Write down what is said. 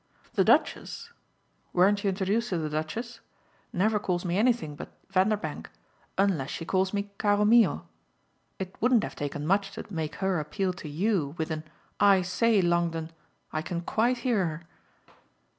"The Duchess weren't you introduced to the Duchess? never calls me anything but 'Vanderbank' unless she calls me 'caro mio.' It wouldn't have taken much to make her appeal to YOU with an 'I say, Longdon!' I can quite hear her."